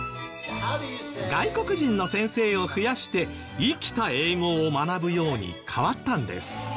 外国人の先生を増やして生きた英語を学ぶように変わったんです。